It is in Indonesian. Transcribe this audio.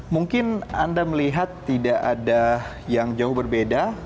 mungkin anda melihat tidak ada yang jauh berbeda